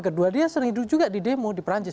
kedua dia sering hidup juga di demo di perancis